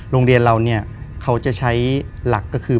โรงเรียนเราเนี่ยเขาจะใช้หลักก็คือ